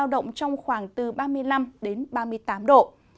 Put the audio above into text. động trong khoảng từ ba mươi năm ba mươi tám độ